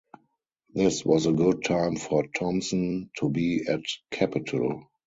This was a good time for Thompson to be at Capitol.